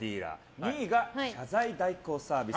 ２位が謝罪代行サービス。